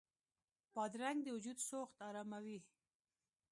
بادرنګ د وجود سوخت اراموي.